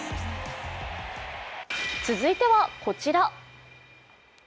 続いてはこちら。